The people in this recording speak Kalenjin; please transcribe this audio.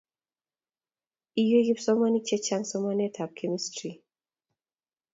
Iywei kipsomaninik che chang' somanetab Kemistri